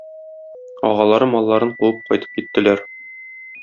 Агалары малларын куып кайтып киттеләр.